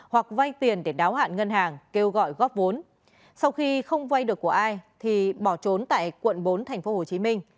hoặc vay tiền để đáo hạn ngân hàng kêu gọi góp vốn sau khi không vay được của ai thì bỏ trốn tại quận bốn tp hcm